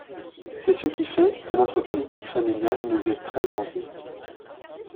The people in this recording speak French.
C’est ce qui fait que notre politique familiale nous est très enviée.